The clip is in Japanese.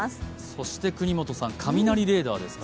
そして國本さん雷レーダーですか。